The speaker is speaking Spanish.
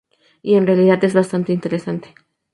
Y en realidad es bastante interesante.